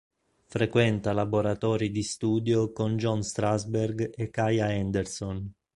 Frequenta laboratori di studio con John Strasberg e Kaia Anderson.